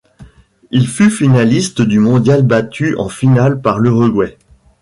Il fut finaliste du mondial battu en finale par l'Uruguay.